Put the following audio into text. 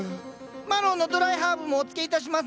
マロウのドライハーブもおつけいたしますね。